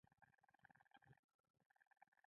لوټ کړي دي.